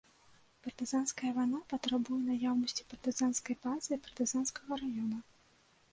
Партызанская вайна патрабуе наяўнасці партызанскай базы і партызанскага раёна.